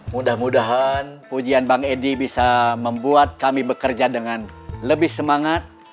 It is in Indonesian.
mudah mudahan pujian bang edi bisa membuat kami bekerja dengan lebih semangat